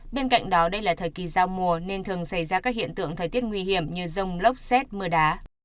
bên cạnh đó đây là thời kỳ giao mùa nên thường xảy ra các hiện tượng thời tiết nguy hiểm như rông lốc xét mưa đá